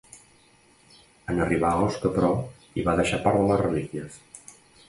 En arribar a Osca, però, hi va deixar part de les relíquies.